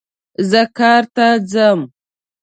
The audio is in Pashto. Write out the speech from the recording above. زه کار ته ځم